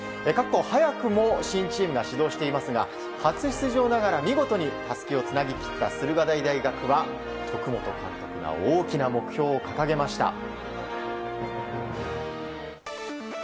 各校、早くも新チームが始動していますが初出場ながら見事にたすきをつなぎ切った駿河台大学は徳本監督が大きな目標を掲げました。